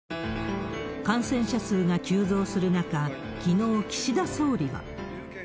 感染者数が急増する中、きのう、岸田総理は。